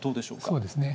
そうですね。